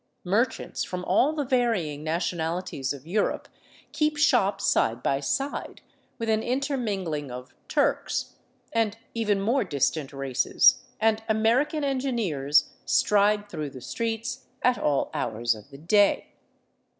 Merchants from all the varying nationalities of Europe keep shop side by side, with an intermingling of " Turks " and even more 325 VAGABONDING DOWN THE ANDES ^ distant races, and American engineers stride through the streets at all hours of the day.